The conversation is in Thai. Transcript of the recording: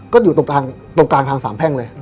ก็อยู่ตรงกลางทางสามแพ่งเลย